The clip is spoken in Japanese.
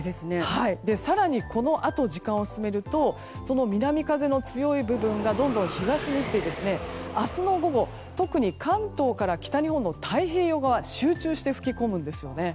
更に、このあと時間を進めるとその南風の強い部分がどんどん東に行って明日の午後特に関東から北日本の太平洋側で集中して吹き込むんですね。